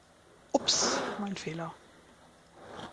Ups, mein Fehler!